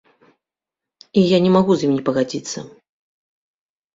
І я не магу з ім не пагадзіцца.